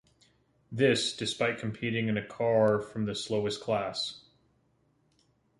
This, despite competing in a car from the slowest class.